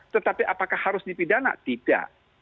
tetapi apakah harus dipidana tidak